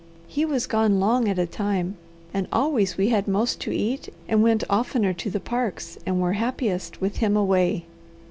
He was gone long at a time, and always we had most to eat, and went oftener to the parks, and were happiest with him away.